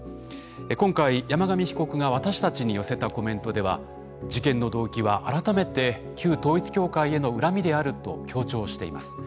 今回山上被告が私たちに寄せたコメントでは事件の動機は改めて旧統一教会への恨みであると強調しています。